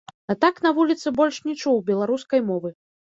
А так на вуліцы больш не чуў беларускай мовы.